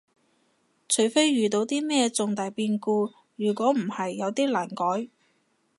除非遇到啲咩重大變故，如果唔係有啲難改